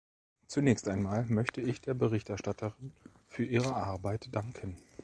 Zunächst einmal möchte ich der Berichterstatterin für ihre Arbeit danken.